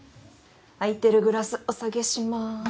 あいてるグラスお下げします。